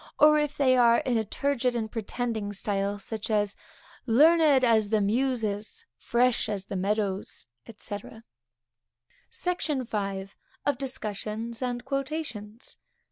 or, if they are in a turgid and pretending style, such as, learned as the Muses, fresh as the meadows, &c. SECTION V. _Of Discussions and Quotations.